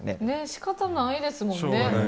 仕方ないですもんね。